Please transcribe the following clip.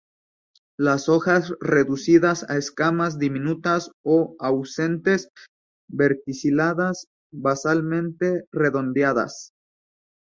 Las hojas reducidas a escamas diminutas o ausentes, verticiladas; basalmente redondeadas.